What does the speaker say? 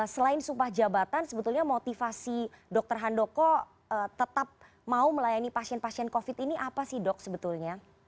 selain sumpah jabatan sebetulnya motivasi dokter handoko tetap mau melayani pasien pasien covid ini apa sih dok sebetulnya